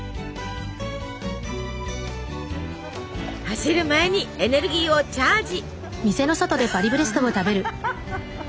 走る前にエネルギーをチャージ！